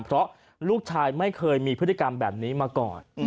เพราะลูกชายไม่เคยมีพฤติกรรมแบบนี้มาก่อน